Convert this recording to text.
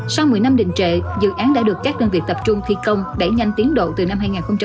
sau một mươi năm đình trệ dự án đã được các đơn vị tập trung thi công đẩy nhanh tiến độ từ năm hai nghìn một mươi sáu